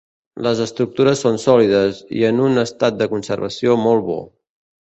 Les estructures són sòlides i en un estat de conservació molt bo.